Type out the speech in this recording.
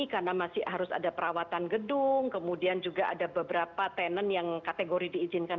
karena masih harus ada perawatan gedung kemudian juga ada beberapa tenant yang kategori diizinkan